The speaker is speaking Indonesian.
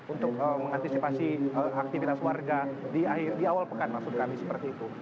untuk mengantisipasi aktivitas warga di awal pekan maksud kami seperti itu